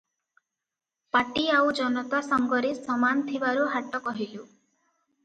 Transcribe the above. ପାଟି ଆଉ ଜନତା ସଙ୍ଗରେ ସମାନ ଥିବାରୁ ହାଟ କହିଲୁ ।